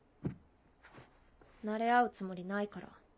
なれ合うつもりないから。